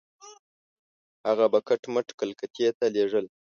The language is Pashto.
هغه به کټ مټ کلکتې ته لېږل.